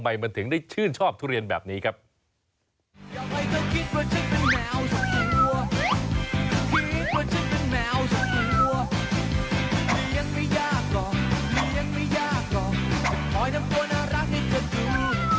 เลี้ยงไม่ยากหรอกขอให้ทำตัวน่ารักให้เธอดู